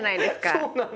そうなの！